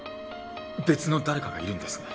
別の誰かがいるんですね。